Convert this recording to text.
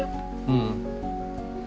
うん。